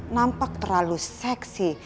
nampak terlalu seksi